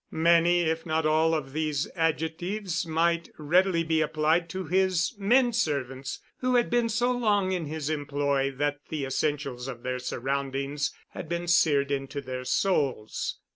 Many, if not all, of these adjectives might readily be applied to his men servants, who had been so long in his employ that the essentials of their surroundings had been seared into their souls.